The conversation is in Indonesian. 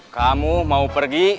kamu mau pergi